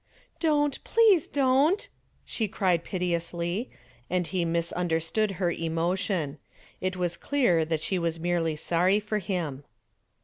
"Don't, please don't!" she cried piteously, and he misunderstood her emotion. It was clear that she was merely sorry for him.